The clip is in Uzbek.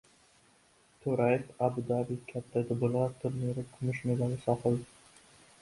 To‘rayev – Abu-Dabi “Katta Dubulg‘a” turniri kumush medali sohibi